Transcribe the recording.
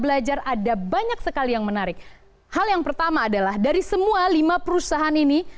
belajar ada banyak sekali yang menarik hal yang pertama adalah dari semua lima perusahaan ini